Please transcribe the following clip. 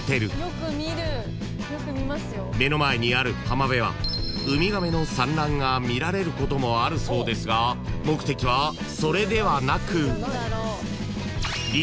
［目の前にある浜辺はウミガメの産卵が見られることもあるそうですが目的はそれではなく］